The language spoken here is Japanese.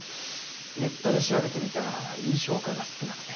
ネットで調べてみたらいい評価が少なくて。